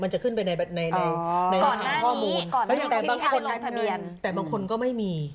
มันจะขึ้นไปในในในในในข้อมูลแต่บางคนแต่บางคนก็ไม่มี